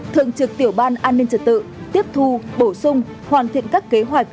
thường trực tiểu ban an ninh trật tự tiếp thu bổ sung hoàn thiện các kế hoạch